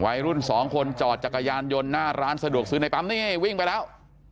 วัยรุ่นสองคนจอดจักรยานยนต์หน้าร้านสะดวกซื้อในปั๊มนี่วิ่งไปแล้ว